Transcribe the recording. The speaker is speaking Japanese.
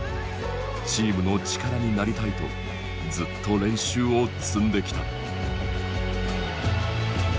チームの力になりたいとずっと練習を積んできた。